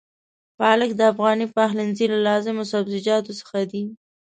پالک د افغاني پخلنځي له لازمو سبزيجاتو څخه دی.